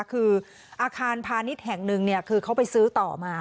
คืออาคารพาณิชย์แห่งหนึ่งคือเขาไปซื้อต่อมา